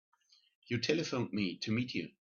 You telephoned me to meet you.